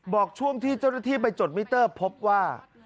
บอกช่วงที่เจ้าหน้าที่ไปจดมิเตอร์พบว่า